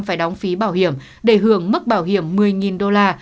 phải đóng phí bảo hiểm để hưởng mức bảo hiểm một mươi đô la